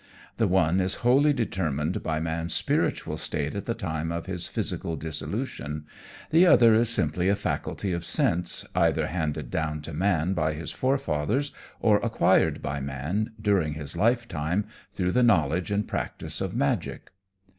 The one is wholly determined by man's spiritual state at the time of his physical dissolution; the other is simply a faculty of sense, either handed down to man by his forefathers or acquired by man, during his lifetime, through the knowledge and practice of magic.